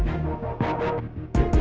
ya mbak udah besernya